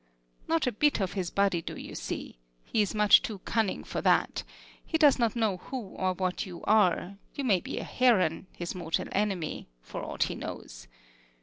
Not a bit of his body do you see: he is much too cunning for that; he does not know who or what you are; you may be a heron, his mortal enemy, for aught he knows.